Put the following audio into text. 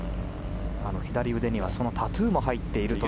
左腕にはそのタトゥーも入っていると。